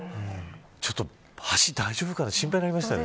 ちょっと橋、大丈夫かな心配になりましたね。